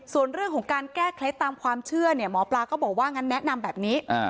ส่วนเรื่องของการแก้เคล็ดตามความเชื่อเนี่ยหมอปลาก็บอกว่างั้นแนะนำแบบนี้